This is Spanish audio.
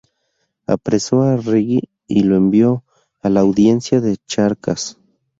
Apresó a Rege y lo envió a la Audiencia de Charcas.